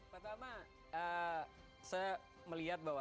pak tama saya melihat bahwa